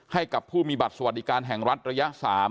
ให้กับผู้มีบัตรสวัสดิการแห่งรัฐระยะ๓